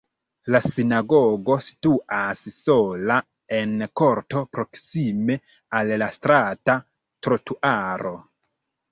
La sinagogo situas sola en korto proksime al la strata trotuaro.